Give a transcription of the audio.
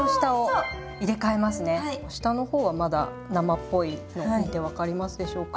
下の方はまだ生っぽいの見て分かりますでしょうか？